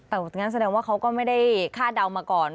แต่งั้นแสดงว่าเขาก็ไม่ได้คาดเดามาก่อน